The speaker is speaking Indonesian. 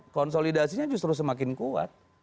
konsolidasinya justru semakin kuat